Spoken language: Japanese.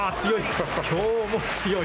強い。